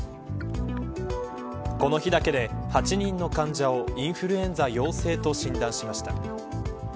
この日だけで８人の患者をインフルエンザ陽性と診断しました。